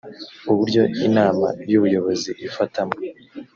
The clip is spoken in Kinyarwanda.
uburyo inama y ubuyobozi ifatamo